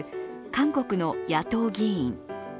韓国の野党議員。